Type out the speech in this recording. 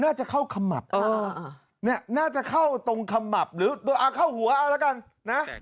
น่าจะเข้าขมับน่าจะเข้าตรงขมับหรือเข้าหัวเอาแล้วกันนะ